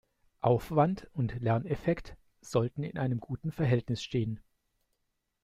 Aufwand und Lerneffekt sollen in einem guten Verhältnis stehen.